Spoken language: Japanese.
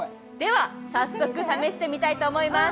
早速、試してみたいと思います。